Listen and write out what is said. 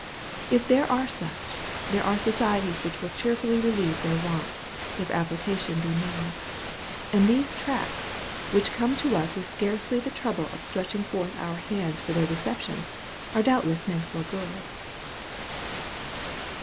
If there are such, there are societies which will cheerfully relieve their wants, if application be made. And these tracts, which come to us with scarcely the trouble of stretching forth our hands for their reception, are doubtless meant for good."